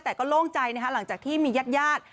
แต่โล่งใจก็หลังจากที่มีญาติ